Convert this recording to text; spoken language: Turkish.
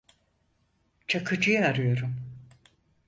Çakıcı'yı arıyorum.